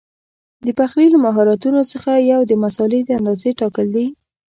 د پخلي له مهارتونو څخه یو د مسالې د اندازې ټاکل دي.